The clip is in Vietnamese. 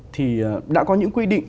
thì đã có những quy định